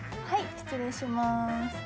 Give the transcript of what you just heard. はい失礼します。